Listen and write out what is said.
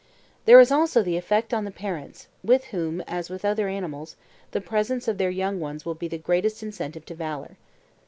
There is also the effect on the parents, with whom, as with other animals, the presence of their young ones will be the greatest incentive to valour.